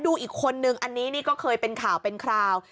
ดูอีกคนนึงอันนี้นี่ก็เคยเป็นข่าวเป็นคราว